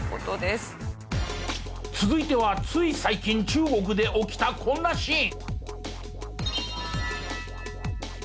続いてはつい最近中国で起きたこんなシーン。